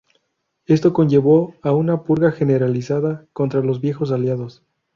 Esto conllevó a una purga generalizada contra los viejos aliados.